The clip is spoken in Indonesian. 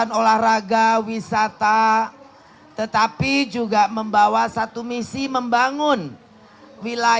kok bang salinya gak ngambil bendera